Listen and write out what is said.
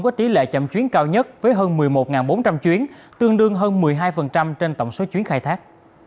có tỷ lệ chậm chuyến cao nhất với hơn một mươi một bốn trăm linh chuyến tương đương hơn một mươi hai trên tổng số chuyến khai thác